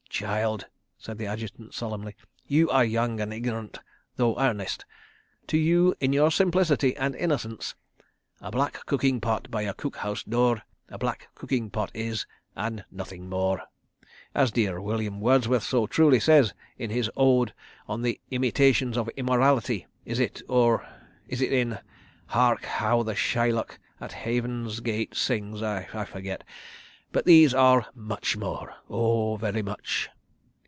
"Child," said the Adjutant solemnly, "you are young and ignorant, though earnest. To you, in your simplicity and innocence— 'A black cooking pot by a cook house door A black cooking pot is, and nothing more,' as dear William Wordsworth so truly says in his Ode on the Imitations of Immorality, is it—or is it in 'Hark how the Shylock at Heaven's gate sings'? I forget. ... But these are much more. Oh, very much."